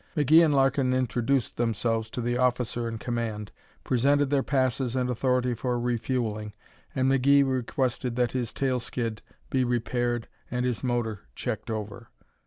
McGee and Larkin introduced themselves to the officer in command, presented their passes and authority for refueling, and McGee requested that his tail skid be repaired and his motor checked over.